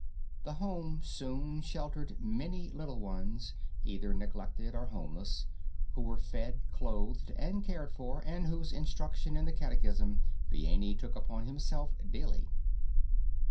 The home soon sheltered many little ones, either neglected or homeless, who were fed, clothed and cared for, and whose instruction in the catechism Vianney took upon himself daily.